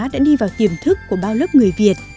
đã đi vào tiềm thức của bao lớp người việt